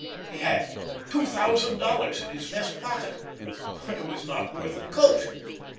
He had two thousand dollars in his vest pocket—but it was not worth a coat.